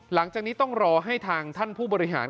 หลังจากนี้ต้องรอให้ทางท่านผู้บริหาร